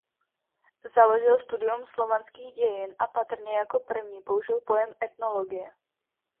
Založil studium slovanských dějin a patrně jako první použil pojem etnologie.